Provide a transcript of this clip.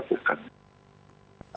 itu yang harus dilakukan